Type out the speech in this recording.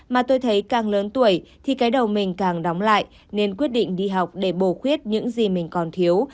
mà tôi thấy càng lớn tuổi thì cái đầu mình càng đóng lại nên quyết định đi học để bổ khuyết những gì mình còn thiếu